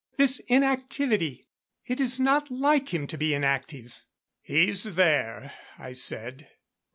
This inactivity. It is not like him to be inactive." "He's there," I said.